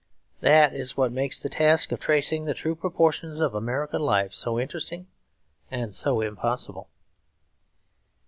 That is what makes the task of tracing the true proportions of American life so interesting and so impossible.